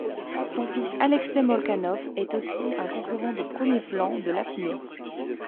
Son fils Alexey Molchanov est aussi un concurrent de premier plan de l'apnée.